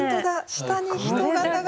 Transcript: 下に人型がある。